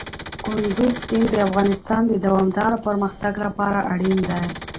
کندز سیند د افغانستان د دوامداره پرمختګ لپاره اړین دی.